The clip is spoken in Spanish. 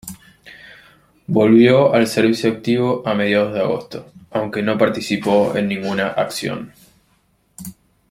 Volvió al servicio activo a mediados de agosto, aunque no participó en ninguna acción.